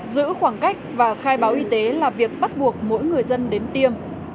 giữ khoảng cách và khai báo y tế là việc bắt buộc mỗi người dân đến tiêm